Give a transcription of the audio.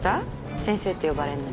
先生って呼ばれるのに。